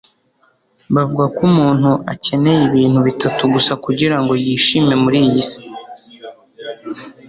Bavuga ko umuntu akeneye ibintu bitatu gusa kugira ngo yishime muri iyi si: